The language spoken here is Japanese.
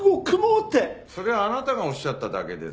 それはあなたがおっしゃっただけです。